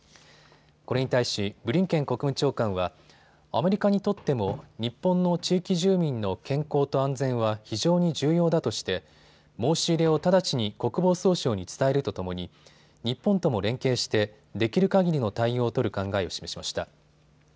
これに対しブリンケン国務長官はアメリカにとっても日本の地域住民の健康と安全は非常に重要だとして申し入れを直ちに国防総省に伝えるとともに日本とも連携してできるかぎりの対応を取る考えを示しました。